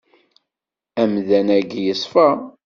Amdan-agi yeṣfa.